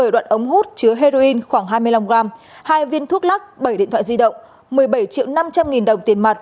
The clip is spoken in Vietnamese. một mươi đoạn ống hút chứa heroin khoảng hai mươi năm g hai viên thuốc lắc bảy điện thoại di động một mươi bảy triệu năm trăm linh nghìn đồng tiền mặt